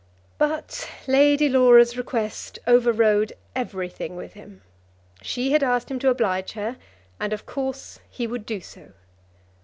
But Lady Laura's request overrode everything with him. She had asked him to oblige her, and of course he would do so.